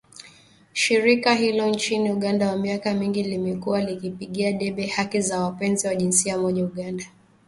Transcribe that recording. Shirika hilo nchini Uganda kwa miaka mingi limekuwa likipigia debe haki za wapenzi wa jinsia moja nchini Uganda